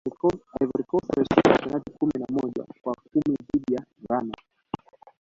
ivory coast walishinda kwa penati kumi na moja kwa kumi dhidi ya ghana